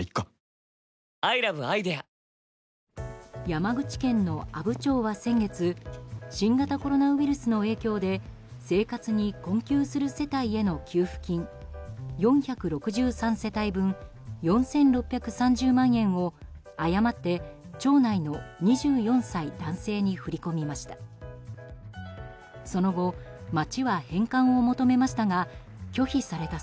山口県の阿武町は先月新型コロナウイルスの影響で生活に困窮する世帯への給付金４６３世帯分４６３０万円を誤って町内の２４歳男性に振り込みました。